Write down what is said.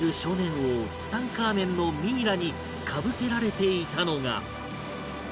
王ツタンカーメンのミイラにかぶせられていたのが